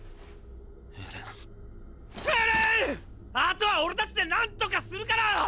後は俺たちで何とかするから！！